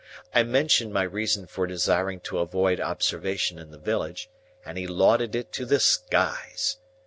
I mentioned my reason for desiring to avoid observation in the village, and he lauded it to the skies.